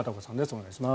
お願いします。